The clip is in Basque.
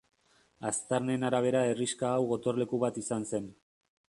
Aztarnen arabera herrixka hau gotorleku bat izan zen.